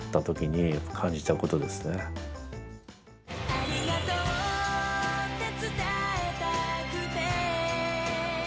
「“ありがとう”って伝えたくて」